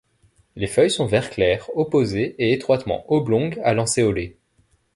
Les feuilles sont vert clair, opposées, et étroitement oblongues à lancéolées.